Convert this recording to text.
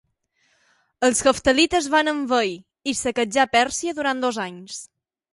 Els heftalites van envair i saquejar Pèrsia durant dos anys.